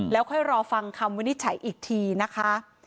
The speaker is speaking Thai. และก้อยรอฟังคำวินิจใช้อีกทีนะคะ